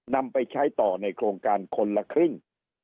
นำไปใช้ต่อในโครงการคนละครึ่ง